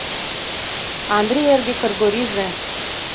Андрий эрге Кыргорийже